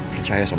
percaya sama gue